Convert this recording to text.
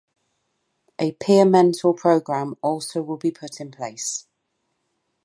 A peer mentor program also will be put in place.